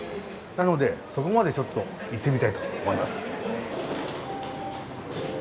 なのでそこまでちょっと行ってみたいと思います。